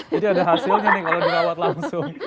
jadi ada hasilnya nih kalau dirawat langsung